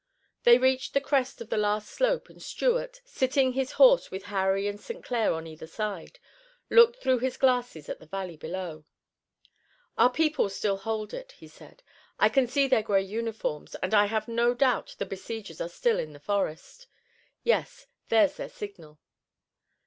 They reached the crest of the last slope and Stuart, sitting his horse with Harry and St. Clair on either side, looked through his glasses at the valley below. "Our people still hold it," he said. "I can see their gray uniforms and I have no doubt the besiegers are still in the forest. Yes, there's their signal!"